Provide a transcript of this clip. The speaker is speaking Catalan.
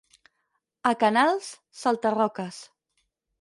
A Canals: salta-roques.